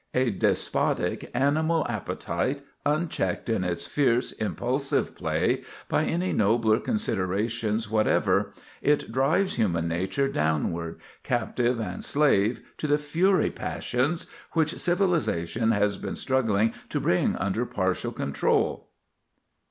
A despotic animal appetite, unchecked in its fierce, impulsive play by any nobler considerations whatever, it drives human nature downward, captive and slave to the "fury passions" which civilization has been struggling to bring under partial control.